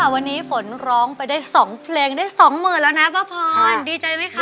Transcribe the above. วันนี้ฝนร้องไปได้สองเพลงได้สองหมื่นแล้วนะบ้าฟ้อนดีใจมั้ยคะ